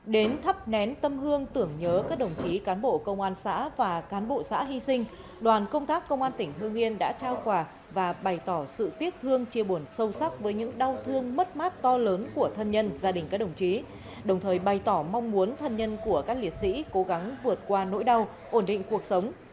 đến thắp nén tâm hương tưởng nhớ các đồng chí cán bộ công an xã và cán bộ xã hy sinh đoàn công tác công an tỉnh hương yên đã trao quà và bày tỏ sự tiếc thương chia buồn sâu sắc với những đau thương mất mát to lớn của thân nhân gia đình các đồng chí đồng thời bày tỏ mong muốn thân nhân của các liệt sĩ cố gắng vượt qua nỗi đau ổn định cuộc sống